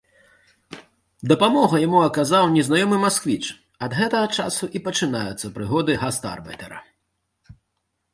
Дапамогу яму аказаў незнаёмы масквіч, ад гэтага часу і пачынаюцца прыгоды гастарбайтэра.